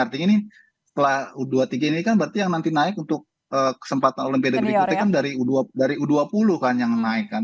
artinya ini setelah u dua puluh tiga ini kan berarti yang nanti naik untuk kesempatan olimpiade berikutnya kan dari u dua puluh kan yang naik kan